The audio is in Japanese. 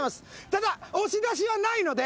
ただ押し出しはないので。